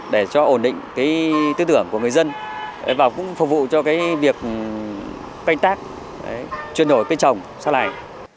đã ổn định cái tư tưởng của người dân và cũng phục vụ cho cái việc canh tác chuyển đổi cây trồng sau này